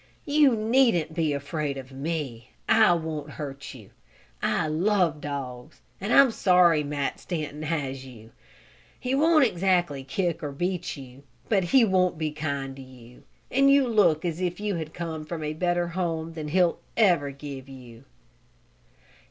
"You needn't be afraid of me. I won't hurt you. I love dogs, and I'm sorry Matt Stanton has you. He won't exactly kick or beat you, but he won't be kind to you. And you look as if you had come from a better home than he'll ever give you."